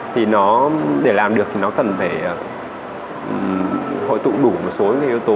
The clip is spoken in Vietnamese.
thì nó để làm được thì nó cần phải hội tụ đủ một số yếu tố